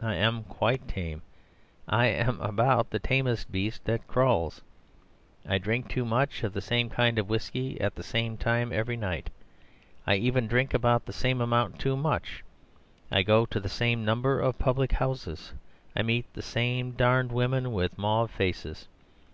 I am quite tame; I am about the tamest beast that crawls. I drink too much of the same kind of whisky at the same time every night. I even drink about the same amount too much. I go to the same number of public houses. I meet the same damned women with mauve faces.